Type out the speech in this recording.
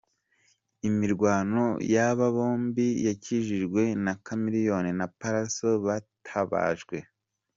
Imirwano y’aba bombi yakijijwe na Chameleone na Pallaso batabajwe.